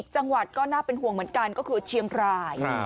จังหวัดก็น่าเป็นห่วงเหมือนกันก็คือเชียงราย